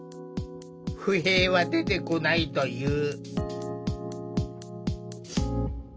不平は出てこないという。